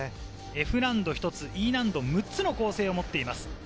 Ｆ難度１つ、Ｅ難度６つの構成を持っています。